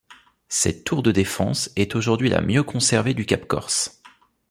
Cette tour de défense est aujourd'hui la mieux conservée du Cap Corse.